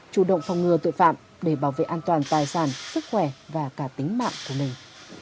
chủ động phòng ngừa tội phạm để bảo vệ an toàn tài sản sức khỏe và cả tính mạng của mình